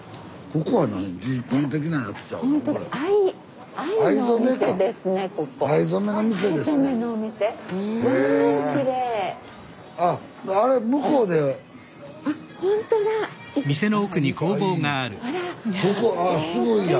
ここあっすごいやん。